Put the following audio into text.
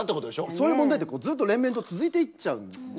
そういう問題ってずっと連綿と続いていっちゃうじゃないですか。